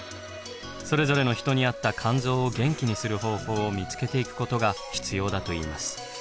それぞれの人に合った肝臓を元気にする方法を見つけていくことが必要だといいます。